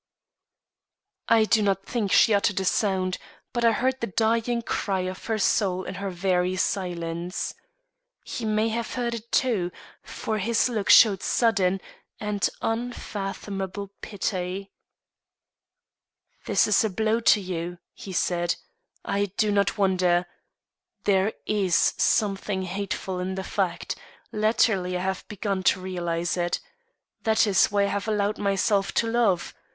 I do not think she uttered a sound, but I heard the dying cry of her soul in her very silence. He may have heard it, too, for his look showed sudden and unfathomable pity. "This is a blow to you," he said. "I do not wonder; there is something hateful in the fact; latterly I have begun to realize it. That is why I have allowed myself to love.